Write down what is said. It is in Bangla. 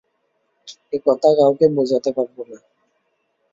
এ কথা কাউকে বোঝাতে পারব না।